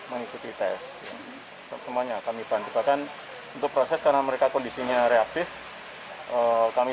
mengikuti tes semuanya kami bantu bahkan untuk proses karena mereka kondisinya reaktif kami